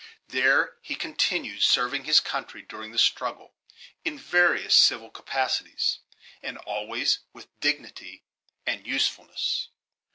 There he continued serving his country during the struggle, in various civil capacities, and always with dignity and usefulness.